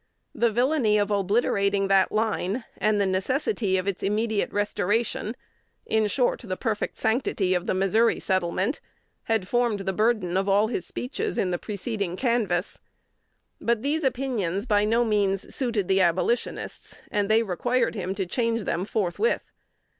The villany of obliterating that line, and the necessity of its immediate restoration, in short, the perfect sanctity of the Missouri settlement, had formed the burden of all his speeches in the preceding canvass. But these opinions by no means suited the Abolitionists, and they required him to change them forthwith.